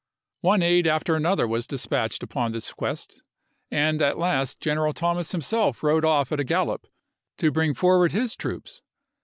One aide after another was dispatched upon this quest, and at last General Thomas him 288 ABRAHAM LINCOLN chap. xii. self rode off at a gallop to bring forward his troops.